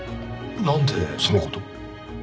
なんでその事を？